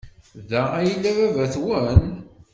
Da ay yella baba-twen?